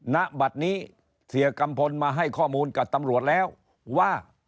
ณบัตรนี้เสียกัมพลมาให้ข้อมูลกับตำรวจแล้วว่า